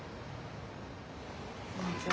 こんにちは。